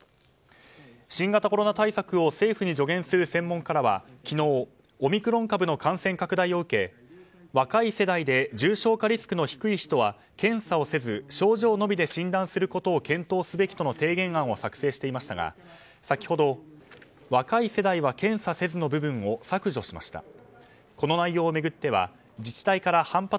新型コロナ対策を政府に助言する専門家らは昨日、オミクロン株の感染拡大を受け若い世代で重症化リスクの低い人は検査をせず症状のみで診断することを検討すべきとの提言案を作成していましたが先ほど、若い世代は検査せずの部分を削除しました。